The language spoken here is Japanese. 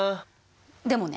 でもね